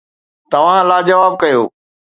توهان لاجواب ڪيو.